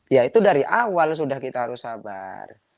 ya itu dari awal sudah kita harus sabar